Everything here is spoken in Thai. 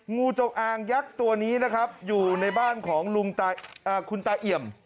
งูจงอางยักษ์ตัวนี้นะครับอยู่ในบ้านของคุณตาเอี่ยม